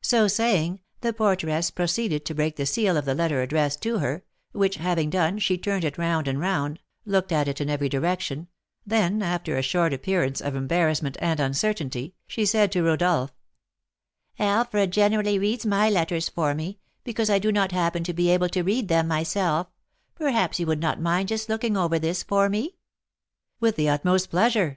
So saying, the porteress proceeded to break the seal of the letter addressed to her; which having done, she turned it round and round, looked at it in every direction, then, after a short appearance of embarrassment and uncertainty, she said to Rodolph: "Alfred generally reads my letters for me, because I do not happen to be able to read them myself; perhaps you would not mind just looking over this for me?" "With the utmost pleasure!"